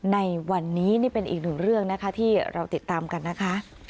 ในวันนี้นี่เป็นอีกหนึ่งเรื่องนะคะที่เราติดตามกันนะคะ